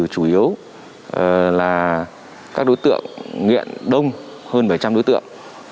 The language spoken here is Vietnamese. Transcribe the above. chủ yếu là các đối tượng nghiện đông hơn bảy trăm linh đối tượng